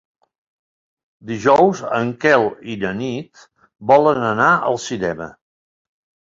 Dijous en Quel i na Nit volen anar al cinema.